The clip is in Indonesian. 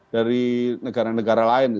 dari negara negara lain